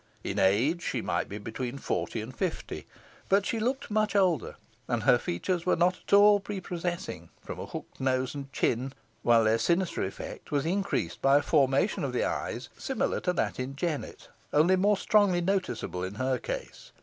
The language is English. In age she might be between forty and fifty, but she looked much older, and her features were not at all prepossessing from a hooked nose and chin, while their sinister effect was increased by a formation of the eyes similar to that in Jennet, only more strongly noticeable in her case.